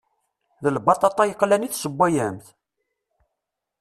D lbaṭaṭa yeqlan i tessewwayemt?